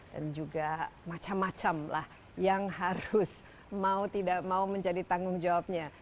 dan juga macam macam lah yang harus mau tidak mau menjadi tanggung jawabnya